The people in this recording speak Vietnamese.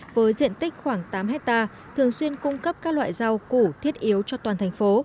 với diện tích khoảng tám hectare thường xuyên cung cấp các loại rau củ thiết yếu cho toàn thành phố